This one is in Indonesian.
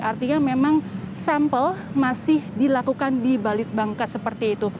artinya memang sampel masih dilakukan di balik bangkas seperti itu